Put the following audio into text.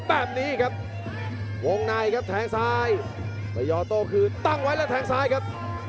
แบบนี้ครับวงในครับแทงซ้ายพยอโต้คืนตั้งไว้แล้วแทงซ้ายครับ